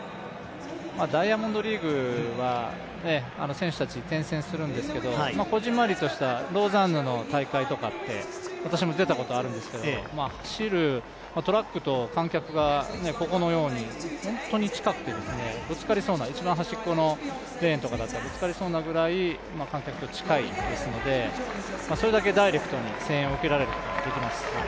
ダイヤモンドリーグは選手たち転戦するんですけどこじんまりとしたローザンヌの大会とか、私も出たことがあるんですが走るトラックと観客が、ここのように本当に近くて、一番端っこのレーンだとぶつかりそうなぐらい観客と近いのでそれだけダイレクトに声援を受けることができます。